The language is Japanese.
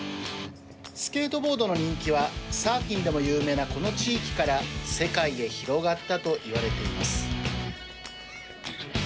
スケートボードの人気はサーフィンでも有名なこの地域から世界へ広がったと言われています。